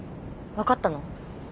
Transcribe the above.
分かったの？